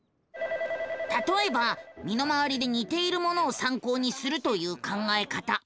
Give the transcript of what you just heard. たとえば身の回りでにているものをさんこうにするという考え方。